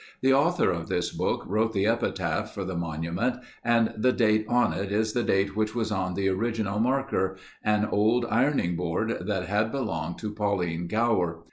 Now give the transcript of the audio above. The author of this book wrote the epitaph for the monument and the date on it is the date which was on the original marker—an old ironing board that had belonged to Pauline Gower.